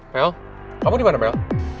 mel kamu dimana mel